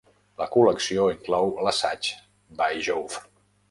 La col·lecció inclou l'assaig By Jove!